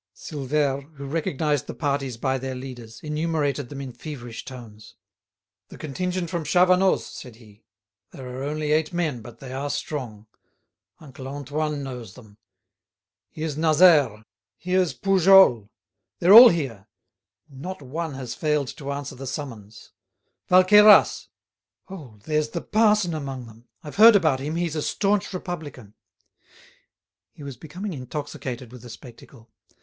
Silvère, who recognised the parties by their leaders, enumerated them in feverish tones. "The contingent from Chavanoz!" said he. "There are only eight men, but they are strong; Uncle Antoine knows them. Here's Nazeres! Here's Poujols! They're all here; not one has failed to answer the summons. Valqueyras! Hold, there's the parson amongst them; I've heard about him, he's a staunch Republican." He was becoming intoxicated with the spectacle.